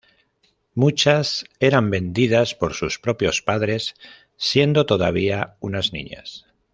Muchas eran vendidas por sus propios padres siendo todavía unas niñas.